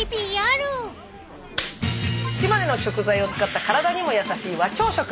島根の食材を使った体にも優しい和朝食。